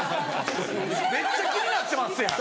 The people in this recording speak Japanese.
めっちゃ気になってますやん。